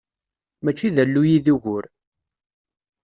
Mačči d alluy i d ugur.